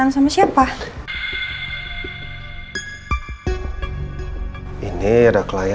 nih ini dia